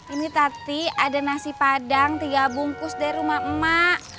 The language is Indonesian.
ini tati ada nasi padang tiga bungkus dari rumah emak emak